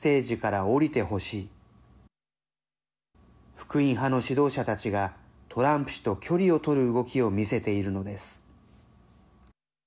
福音派の指導者たちがトランプ氏と距離を取る動きを見せているのです。